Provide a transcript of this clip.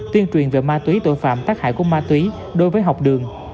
tuyên truyền về ma túy tội phạm tác hại của ma túy đối với học đường